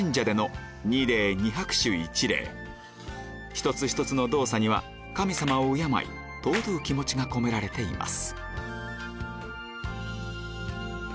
一つ一つの動作には神様を敬い尊ぶ気持ちが込められています